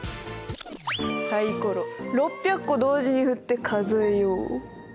サイコロ６００個同時に振って数えよう！